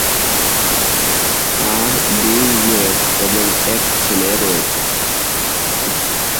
তার দুই মেয়ে এবং এক ছেলে রয়েছে।